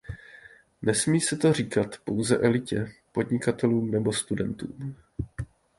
Nesmí se to říkat pouze elitě, podnikatelům nebo studentům.